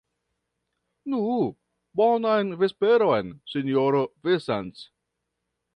Nu, bonan vesperon, sinjoro Vincent.